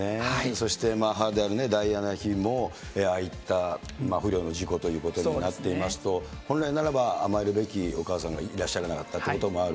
そして母であるダイアナ妃も、ああいった不慮の事故ということになっていますと、本来ならば甘えるべきお母さんがいらっしゃらなかったということもある。